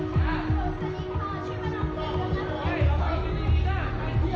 สวัสดีครับ